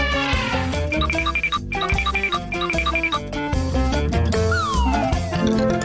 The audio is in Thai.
โปรดติดตามตอนต่อไป